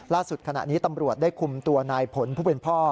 ขณะนี้ตำรวจได้คุมตัวนายผลผู้เป็นพ่อ